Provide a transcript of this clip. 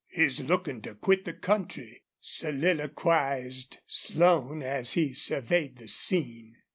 "He's lookin' to quit the country," soliloquized Slone, as he surveyed the scene.